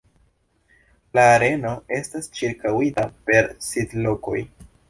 La areno estas ĉirkaŭita per sidlokoj.